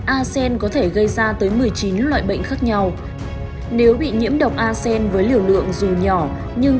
asean có thể gây ra tới một mươi chín loại bệnh khác nhau nếu bị nhiễm độc acen với liều lượng dù nhỏ nhưng